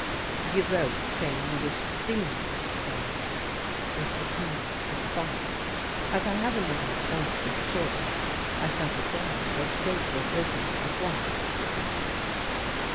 " You wrote saying you wshed to see me, Mr. Barnes," was the Colonel's response ;" as I have another appointment shortly, I shall be glad if you'll state your business at once."